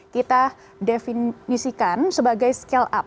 kita definisikan sebagai scale up